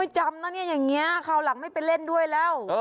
จำนะเนี่ยอย่างนี้คราวหลังไม่ไปเล่นด้วยแล้ว